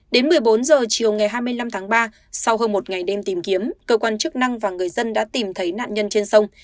đến một mươi bốn h chiều ngày hai mươi năm tháng ba sau hơn một ngày đêm tìm kiếm cơ quan chức năng và người dân đã tìm thấy nạn nhân trên sông